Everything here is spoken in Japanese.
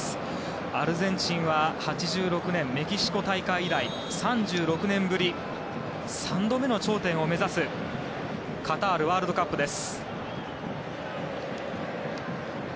アルゼンチンは８６年、メキシコ大会以来３６年ぶり３度目の頂点を目指すカタールワールドカップです。